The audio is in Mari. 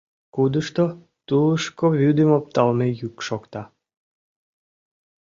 Кудышто тулышко вӱдым опталме йӱк шокта.